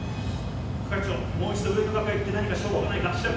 副会長もう一度上の楽屋行って何か証拠がないか調べてきます。